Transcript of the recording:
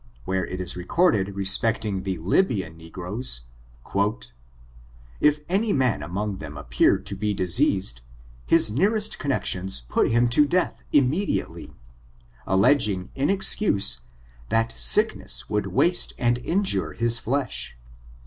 170), where it is recorded re* specting the Ljfbian n^roes; "If any man among them appeared to be diseased, his nearest connections put him to death immediately, alledging in excuse that sickness would waste and injure his flesh.